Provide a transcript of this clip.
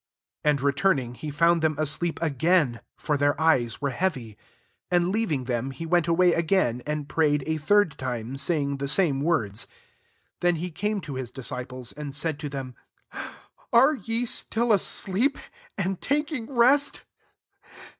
43 And re turning he found them asleep again : for their eyes were heavy. 44 And leaving them, he went away again, and pray ed [a third time] saying the the same words. 45 Then he came to his disciples, and said to them, " Are ye still asleep, and taking rest